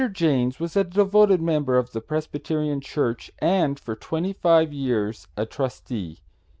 Janes was a devoted member of the Presbyterian Church, and for twenty five years a trustee.